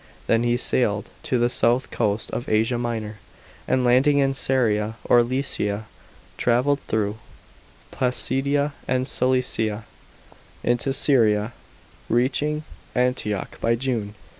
Then he sailed to the south coast of Asia Minor, and landing in Caria or Lycia travelled through Pisidia and Cilicia, into Syria, reaching Antioch by June.